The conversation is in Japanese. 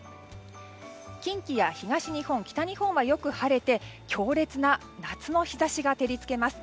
近畿や東日本、北日本はよく晴れて強烈な夏の日差しが照り付けます。